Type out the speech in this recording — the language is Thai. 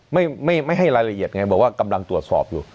ไม่ไม่ให้รายละเอียดไงบอกว่ากำลังตรวจสอบอยู่